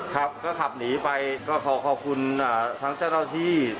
ครับก็ขับหนีไปก็ขอขอบคุณทั้งเจ้าหน้าที่